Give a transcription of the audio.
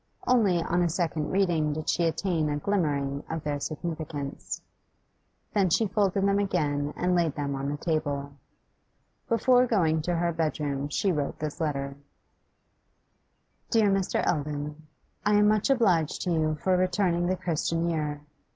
Only on a second reading did she attain a glimmering of their significance. Then she folded them again and laid them on the table. Before going to her bedroom she wrote this letter: 'DEAR MR. ELDON, I am much obliged to you for returning the "Christian Year."